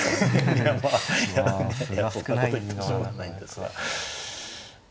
いやまあそんなこと言ってもしょうがないんですが。